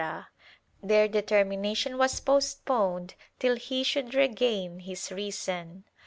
their determination was postponed till he should regain his reason.